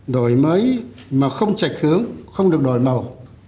đổi mới mà không trạch hướng không được đổi màu